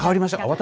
私？